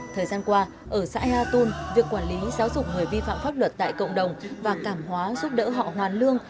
thời gian qua ở xã ea tôn việc quản lý giáo dục người vi phạm pháp luật tại cộng đồng và cảm hóa giúp đỡ họ hoàn lương